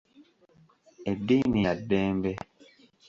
Eddiini ya ddembe.